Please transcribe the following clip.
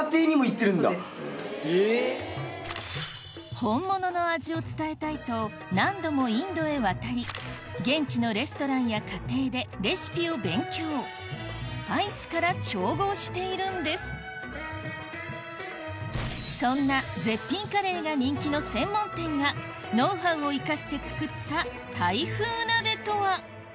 本物の味を伝えたいと何度もインドへ渡り現地のレストランや家庭でレシピを勉強そんな絶品カレーが人気の専門店がノウハウを生かして作ったタイ風鍋とは？